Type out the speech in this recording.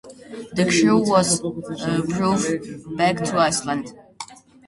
The crew was brought back to Iceland.